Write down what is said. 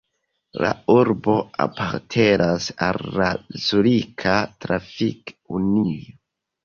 La urbo apartenas al la Zurika Trafik-Unio.